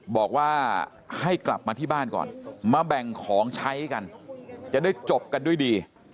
บอกว่าให้กลับมาที่บ้านก่อนมาแบ่งของใช้กันจะได้จบกันด้วยดี